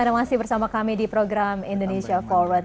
anda masih bersama kami di program indonesia forward